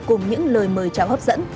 cùng những lời mời chào hấp dẫn